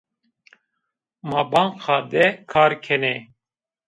Ma banka de kar kenê